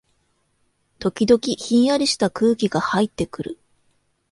時々、ひんやりした空気がはいってくる